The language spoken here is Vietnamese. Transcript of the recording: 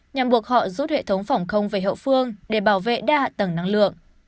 nhằm buộc họ rút hệ thống phòng không về hậu phương để bảo vệ đa hạ tầng năng lượng